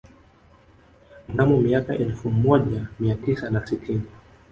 Mnamo miaka ya elfu moja mia tisa na sitini